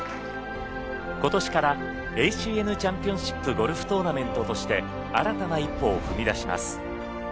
今年からＡＣＮチャンピオンシップゴルフトーナメントとして新たな一歩を踏み出します。